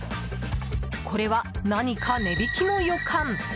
これは、何か値引きの予感！